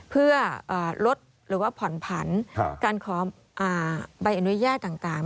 เพื่อลดหรือว่าผ่อนผันการขอใบอนุญาตต่าง